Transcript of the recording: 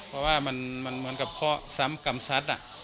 เพราะว่ามันเหมือนกับข้อซ้ำกำซัด